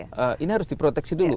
karena kan ini harus diproteksi dulu